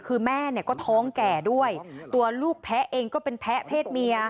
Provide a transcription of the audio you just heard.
คือแม่เนี่ยก็ท้องแก่ด้วยตัวลูกแพ้เองก็เป็นแพ้เพศเมีย